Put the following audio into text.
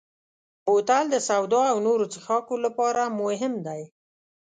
بوتل د سوډا او نورو څښاکو لپاره مهم دی.